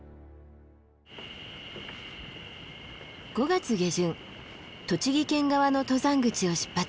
５月下旬栃木県側の登山口を出発。